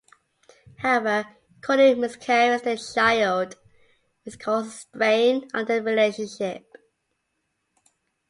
However, Courtney miscarries their child, which causes strain on their relationship.